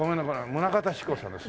棟方志功さんです。